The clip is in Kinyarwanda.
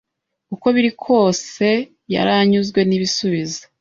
Uko biri kwose, yaranyuzwe n'ibisubizo.